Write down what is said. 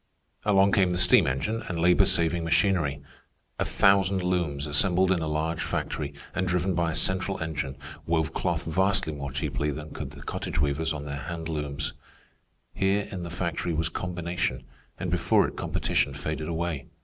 Along came the steam engine and labor saving machinery. A thousand looms assembled in a large factory, and driven by a central engine wove cloth vastly more cheaply than could the cottage weavers on their hand looms. Here in the factory was combination, and before it competition faded away.